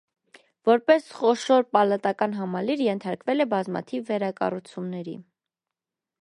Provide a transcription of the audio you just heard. Որպես խոշոր պալատական համալիր, ենթարկվել է բազմաթիվ վերակառուցումների։